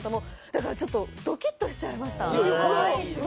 だからちょっと、ドキッとしてしまいました。